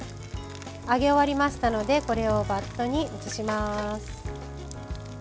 揚げ終わりましたのでこれをバットに移します。